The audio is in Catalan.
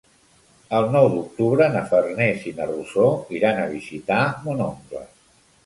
El nou d'octubre na Farners i na Rosó iran a visitar mon oncle.